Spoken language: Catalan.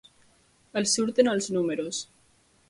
Els surten els números.